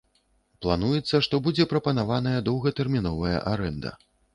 Плануецца, што будзе прапанаваная доўгатэрміновая арэнда.